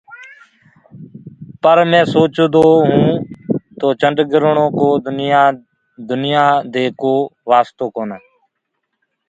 پر مينٚ سوچدو هيوُنٚ تو چنڊگرڻو ڪو دنيآ دي ڪو واستو ڪونآ۔